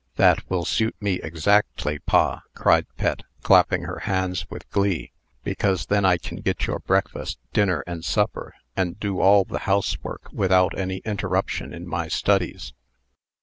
"That will suit me exactly, pa," cried Pet, clapping her hands with glee; "because then I can get your breakfast, dinner, and supper, and do all the housework, without any interruption in my studies."